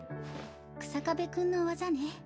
日下部君の技ね。